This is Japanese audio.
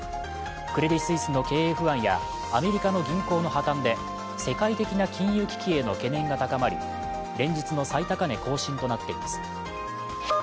クレディ・スイスの経営不安やアメリカの銀行の破綻で世界的な金融危機への懸念が高まり連日の最高値更新となっています。